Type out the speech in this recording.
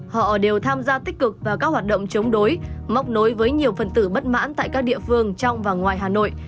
họ đều tham gia tích cực vào các hoạt động chống đối mốc nối với nhiều phần tử bất mãn tại các địa phương trong và ngoài hà nội